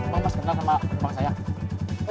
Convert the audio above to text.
bang kenal sama tembak saya